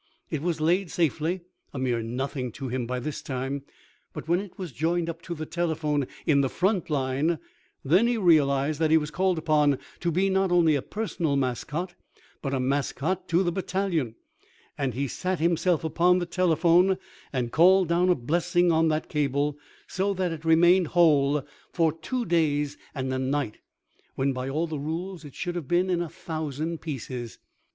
It was laid safely a mere nothing to him by this time. But when it was joined up to the telephone in the front line, then he realized that he was called upon to be not only a personal mascot, but a mascot to the battalion, and he sat himself upon the telephone and called down a blessing on that cable, so that it remained whole for two days and a night when by all the rules it should have been in a thousand pieces.